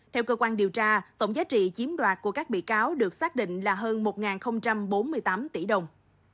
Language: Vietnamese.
theo cơ quan điều tra tổng giá trị chiếm đoạt của các bị cáo được xác định là hơn một bốn mươi tám tỷ đồng